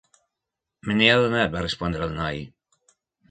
"Me n'he adonat" va respondre el noi.